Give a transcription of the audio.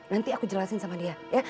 nanti aku jelasin sama dia